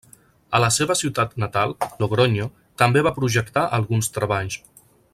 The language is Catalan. A la seva ciutat natal, Logronyo, també va projectar alguns treballs.